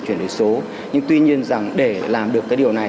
chuyển đổi số nhưng tuy nhiên để làm được điều này